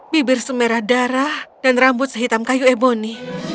bibir semerah darah dan rambut sehitam kayu eboni